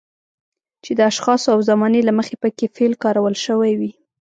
چې د اشخاصو او زمانې له مخې پکې فعل کارول شوی وي.